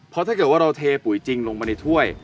เพราะถ้าเกิดว่าเราเทปุ๋ยจริงลงมาในถ้วย